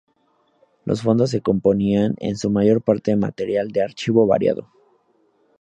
Los fondos se componían en su mayor parte de material de archivo variado.